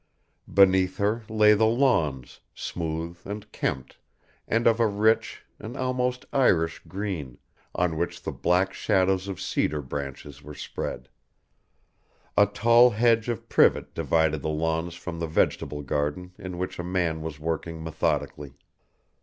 Beneath her lay the lawns, smooth and kempt and of a rich, an almost Irish green, on which the black shadows of cedar branches were spread. A tall hedge of privet divided the lawns from the vegetable garden in which a man was working methodically.